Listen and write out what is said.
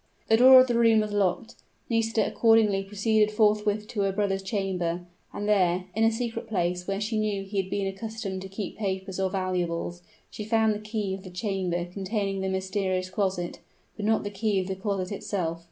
The door of the room was locked; Nisida accordingly proceeded forthwith to her brother's chamber; and there, in a secret place where she knew he had been accustomed to keep papers or valuables, she found the key of the chamber containing the mysterious closet, but not the key of the closet itself.